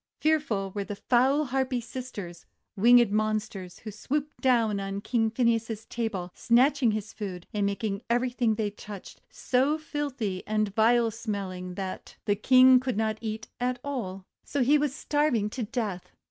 Fearful were the foul Harpy sisters, winged monsters, who swooped down on King Phineas's table, snatching his food, and making everything they touched so filthy and vile smelling that 388 THE WONDER GARDEN the King could not eat at all. So he was starving to death.